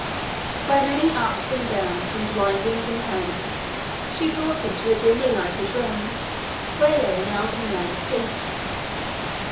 By many ups and downs and windings and turnings she brought him to a dimly lighted room, where lay an elderly man asleep.